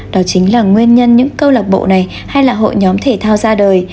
đó chính là nguyên nhân những câu lạc bộ này hay là hội nhóm thể thao ra đời